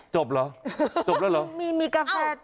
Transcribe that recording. จบหรอกต้องมีกาแฟ